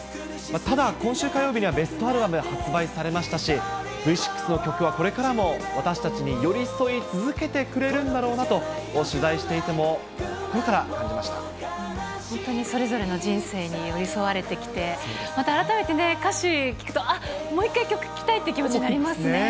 ただ、今週火曜日にはベストアルバム発売されましたし、Ｖ６の曲はこれからも私たちに寄り添い続けてくれるんだろうなと、本当にそれぞれの人生に寄り添われてきて、また改めて歌詞聴くと、あっ、もう一回曲聴きたいっていう気持ちになりますよね。